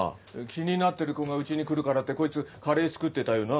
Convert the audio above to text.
気になってる子が家に来るからってこいつカレー作ってたよな。